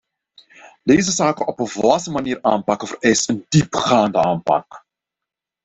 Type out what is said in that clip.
Deze zaken op een volwassen manier aanpakken vereist een diepgaande aanpak.